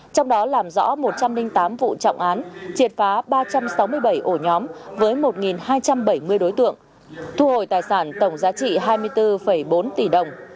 trong đó làm rõ một trăm linh tám vụ trọng án triệt phá ba trăm sáu mươi bảy ổ nhóm với một hai trăm bảy mươi đối tượng thu hồi tài sản tổng giá trị hai mươi bốn bốn tỷ đồng